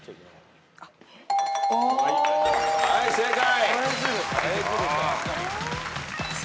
はい正解。